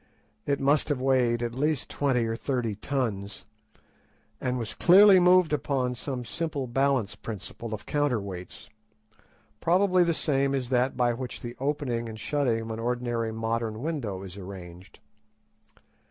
It must have weighed at least twenty or thirty tons, and was clearly moved upon some simple balance principle of counter weights, probably the same as that by which the opening and shutting of an ordinary modern window is arranged.